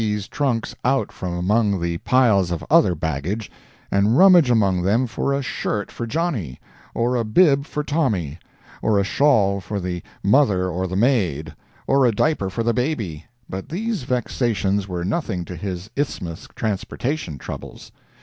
's trunks out from among piles of other baggage, and rummage among them for a shirt for Johnny, or a bib for Tommy, or a shawl for the mother or the maid, or a diaper for the baby, but these vexations were nothing to his Isthmus transportation troubles.